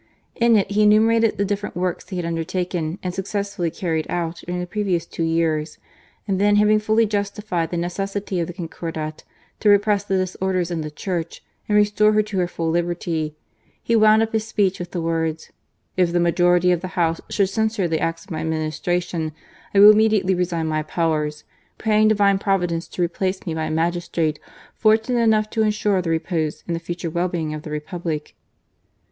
In it, he enumerated the different works he had undertaken and successfullv carried out during the previous two years, and then, having fully justified the necessity of the Concordat to repress the disorders in the Church and restore her to her fall liberty, he wound up his speech with the words :^' If the majority of the House should censure the acts of my administration, I will immediately resign my powers, praying Divine Providence to replace me by a magistrate fortunate enough to ensure the repose and the future well being of the Republic."